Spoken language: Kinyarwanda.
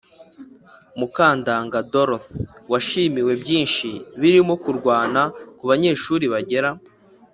Mukandanga doroth e washimiwe byinshi birimo kurwana ku banyeshuri bagera